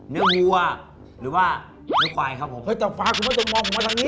เนื้อมิวอ่ะหรือว่าเนื้อควายครับผมเฮ้ยแต่ปากผมมาตรงมองผมมาตรงนี้